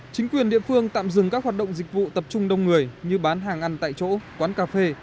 chính quyền địa phương tạm dừng các hoạt động dịch vụ tập trung đông người như bán hàng ăn tại chỗ quán cà phê